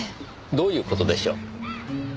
どういう事でしょう？